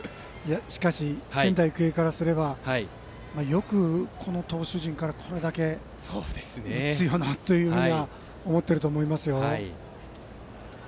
しかし仙台育英からすればよく、この投手陣からこれだけ打つよなと思っていると思いますよ。